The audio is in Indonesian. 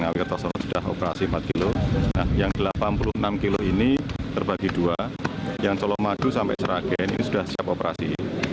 jalan tol seragen ngawi yang delapan puluh enam km ini terbagi dua yang solomadu sampai seragen ini sudah siap operasi